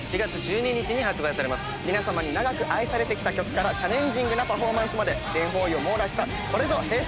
皆さまに長く愛されてきた曲からチャレンジングなパフォーマンスまで全方位を網羅したこれぞＨｅｙ！